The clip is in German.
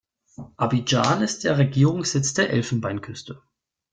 Abidjan ist der Regierungssitz der Elfenbeinküste.